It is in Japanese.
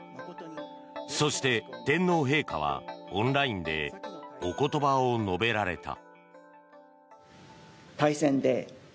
そして天皇陛下はオンラインでお言葉を述べられた。